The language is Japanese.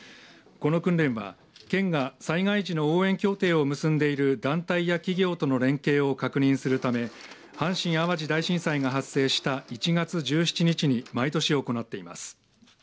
この訓練は県が災害時の応援協定を結んでいる団体や企業との連携を確認するため阪神・淡路大震災が発生した１月１７日に毎年行っています。